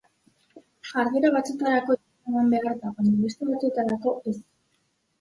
Jarduera batzuetarako izena eman behar da, baina beste batzuetarako ez.